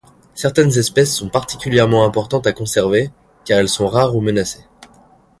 Certaines espèces sont particulièrement importantes à conserver, car elles sont rares ou menacées.